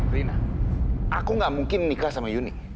rina aku gak mungkin nikah sama yuni